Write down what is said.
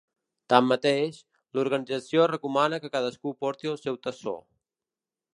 Tanmateix, l’organització recomana que cadascú porti el seu tassó.